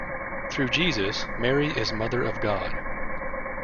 Through Jesus, Mary is Mother of God.